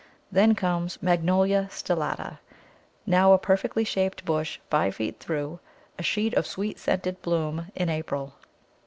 Then comes Magnolia stellata, now a perfectly shaped bush five feet through, a sheet of sweet scented bloom in April.